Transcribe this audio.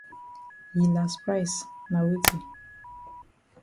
Yi las price na weti?